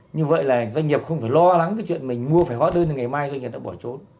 như vậy là doanh nghiệp không phải lo lắng cái chuyện mình mua phải hóa đơn thì ngày mai doanh nghiệp đã bỏ trốn